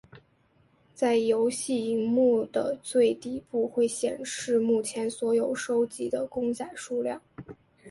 在游戏萤幕的最底部会显示目前所收集到的公仔数量。